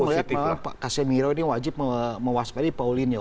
kalau saya melihat memang pak casemiro ini wajib mewaspadai paulinho